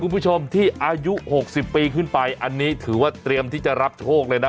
คุณผู้ชมที่อายุ๖๐ปีขึ้นไปอันนี้ถือว่าเตรียมที่จะรับโชคเลยนะ